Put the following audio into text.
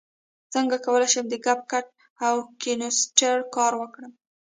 څنګه کولی شم د کپ کټ او کینوسټر کار وکړم